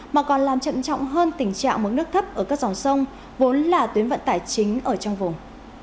mà còn làm chậm trọng hơn tình trạng mức nước thấp ở các dòng sông vốn là tuyến vận tải chính ở trong vùng